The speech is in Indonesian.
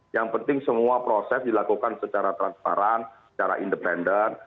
yang penting semua proses dilakukan secara transparan secara independen